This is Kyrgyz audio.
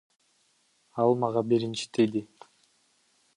Ал мага биринчи тийди.